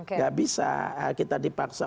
enggak bisa kita dipaksa